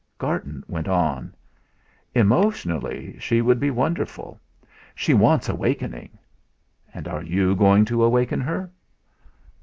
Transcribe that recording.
Garton went on: "Emotionally she would be wonderful. She wants awakening." "Are you going to awaken her?"